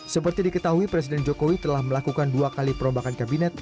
seperti diketahui presiden jokowi telah melakukan dua kali perombakan kabinet